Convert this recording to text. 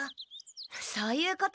そういうことなら！